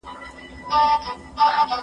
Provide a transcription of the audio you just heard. موږ باید خپل معلوماتي سیسټمونه خوندي کړو.